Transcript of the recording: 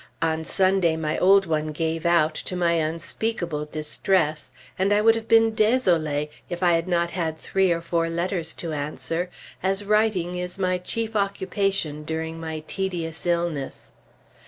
On Sunday my old one gave out, to my unspeakable distress, and I would have been désolée if I had not had three or four letters to answer, as writing is my chief occupation during my tedious illness.